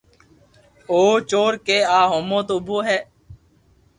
او چور ڪي آ ھومو تو اوڀو ھي